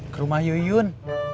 ke rumah yuyun